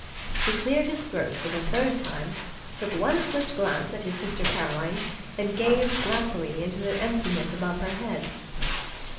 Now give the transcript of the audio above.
He cleared his throat for the third time, took one swift glance at his sister Caroline, then gazed glassily into the emptiness above her head.